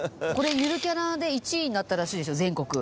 これゆるキャラで１位になったらしいですよ全国。